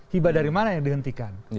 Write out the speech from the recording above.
hibah dari mana yang dihentikan